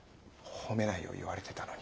褒めないよう言われてたのに。